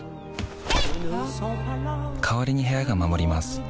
代わりに部屋が守ります